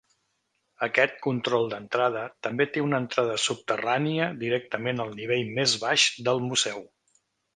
Aquest control d'entrada també té una entrada subterrània directament al nivell més baix del museu.